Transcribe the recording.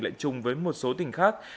lại chung với một số tỉnh khác